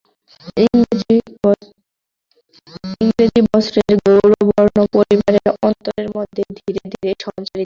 ইংরাজি বস্ত্রের গৌরবগর্ব পরিবারের অন্তরের মধ্যে ধীরে ধীরে সঞ্চারিত হইল।